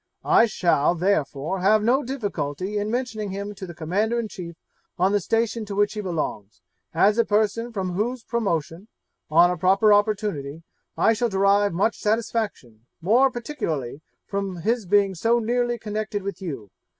I shall, therefore, have no difficulty in mentioning him to the commander in chief on the station to which he belongs, as a person from whose promotion, on a proper opportunity, I shall derive much satisfaction, more particularly from his being so nearly connected with you.